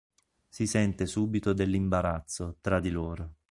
Si sente subito dell'imbarazzo, tra di loro.